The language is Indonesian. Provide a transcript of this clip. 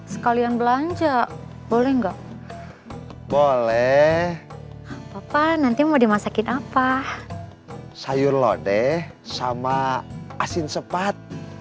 sekalian belanja boleh nggak boleh apa nanti mau dimasakin apa sayur lodeh sama asin sepat